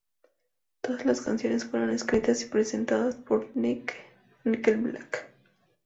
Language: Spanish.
Todas las canciones fueron escritas y presentadas por Nickelback.